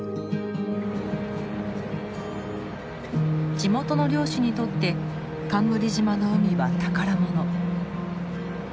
地元の漁師にとって冠島の海は宝物。